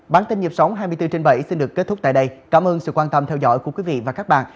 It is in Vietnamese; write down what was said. bản tin nhập sóng hai mươi bốn h bảy xin được kết thúc tại đây cảm ơn sự quan tâm theo dõi của quý vị và các bạn